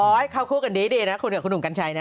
ให้เข้าคู่กันดีนะคุยกับคุณหนุ่มกัญชัยนะ